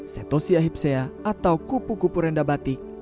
setosia hypsea atau kupu kupu renda batik